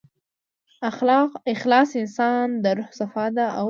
اخلاص د انسان د روح صفا ده، او د نیتونو تله ده.